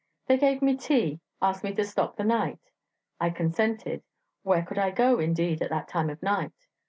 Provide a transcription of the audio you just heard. They gave me tea; asked me to stop the night... I consented: where could I go, indeed, at that time of night?